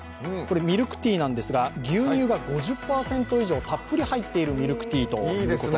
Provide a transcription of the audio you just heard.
ミルクティーなんですが、牛乳が５０％たっぷり入っているという。